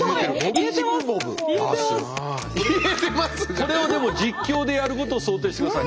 これをでも実況でやることを想定してください。